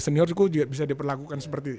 senior juga bisa diperlakukan seperti itu